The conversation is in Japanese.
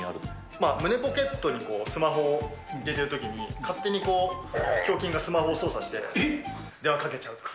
まあ、胸ポケットにスマホを入れてるときに、勝手に胸筋がスマホを操作して、電話かけちゃうとか。